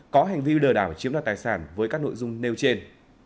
có hành vi đờ đảo chiếm đọt tài sản với các nội dung nêu trên